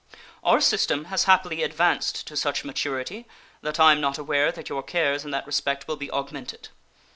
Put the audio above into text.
Our system has happily advanced to such maturity that I am not aware that your cares in that respect will be augmented.